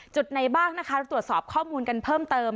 จุดไหนบ้างนะคะเราตรวจสอบข้อมูลกันเพิ่มเติม